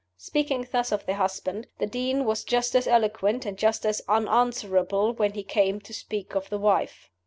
Speaking thus of the husband, the Dean was just as eloquent and just as unanswerable when he came to speak of the wife.